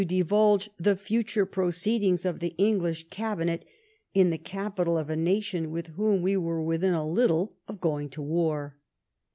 75^ divulge the future proceedings of the English Cabinet in the capital of a nation with whom we were within a little of going to war.